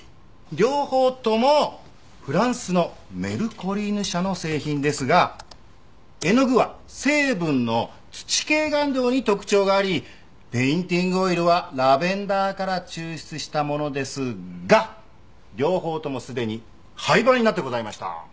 両方ともフランスのＭｅｒｃｏｌｉｎｅ社の製品ですが絵の具は成分の土系顔料に特徴がありペインティングオイルはラベンダーから抽出したものですが両方ともすでに廃盤になってございました。